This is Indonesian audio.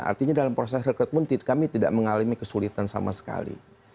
artinya dalam proses rekrut muntit kami tidak mengalami kesulitan sama sekali